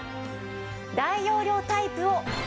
大容量タイプを１つ。